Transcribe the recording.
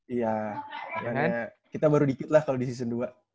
iya kita baru dikit lah kalau di season dua